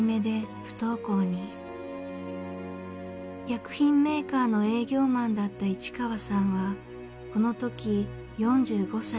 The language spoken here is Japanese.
薬品メーカーの営業マンだった市川さんはこの時４５歳。